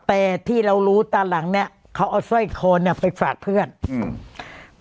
แต่ที่เรารู้ตอนหลังเนี้ยเขาเอาสร้อยคอเนี้ยไปฝากเพื่อนอืม